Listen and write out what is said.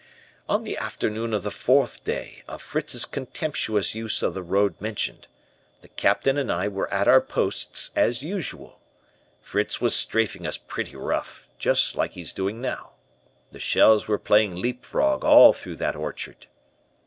"On the afternoon of the fourth day of Fritz's contemptuous use of the road mentioned, the Captain and I were at our posts as usual. Fritz was strafing us pretty rough, just like he's doing now. The shells were playing leapfrog all through that orchard.